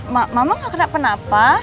mama gak kenapa kenapa